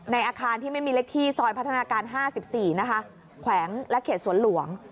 อาคารที่ไม่มีเล็กที่ซอยพัฒนาการ๕๔นะคะแขวงและเขตสวนหลวง